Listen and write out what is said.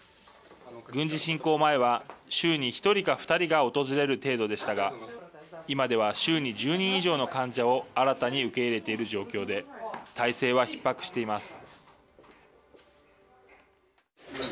軍事侵攻前は週に１人か２人が訪れる程度でしたが今では週に１０人以上の患者を新たに受け入れている状況で態勢はひっ迫しています。